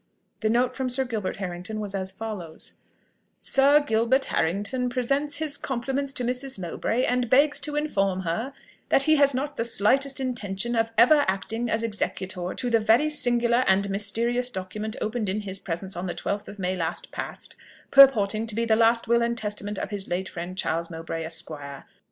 The note from Sir Gilbert Harrington was as follows: "Sir Gilbert Harrington presents his compliments to Mrs. Mowbray, and begs to inform her that he has not the slightest intention of ever acting as executor to the very singular and mysterious document opened in his presence on the 12th of May last past, purporting to be the last will and testament of his late friend, Charles Mowbray, Esquire.